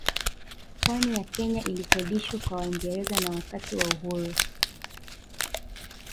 Pwani ya Kenya ilikodishwa kwa Waingereza na Wakati wa uhuru